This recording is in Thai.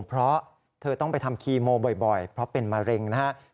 เพราะเธอต้องไปทำคีโมบ่อยเพราะเป็นมะเร็งนะครับ